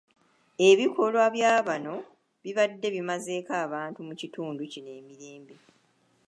Ebikolwa bya bano bibadde bimazeeko abantu mu kitundu kino emirembe.